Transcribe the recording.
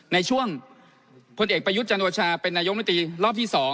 ในช่วงพลเอกประยุทธ์จันโอชาเป็นนายกมตรีรอบที่๒